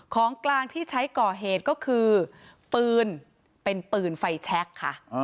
ของกลางที่ใช้ก่อเหตุก็คือปืนเป็นปืนไฟแชคค่ะ